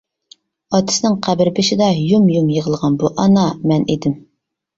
ئاتىسىنىڭ قەبرە بېشىدا يۇم-يۇم يىغلىغان بۇ ئانا مەن ئىدىم.